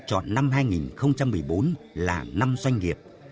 chọn năm hai nghìn một mươi bốn là năm doanh nghiệp